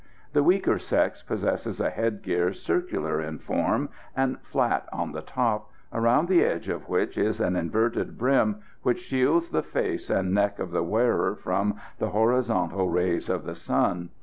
The weaker sex possess a headgear circular in form and flat on the top, around the edge of which is an inverted brim which shields the face and neck of the wearer from the horizontal rays of the sun.